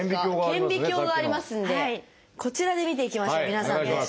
顕微鏡がありますんでこちらで見ていきましょう皆さんで。